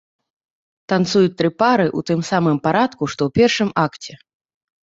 Танцуюць тры пары ў тым самым парадку, што ў першым акце.